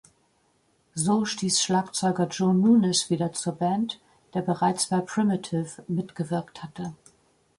So stieß Schlagzeuger Joe Nunez wieder zur Band, der bereits bei "Primitive" mitgewirkt hatte.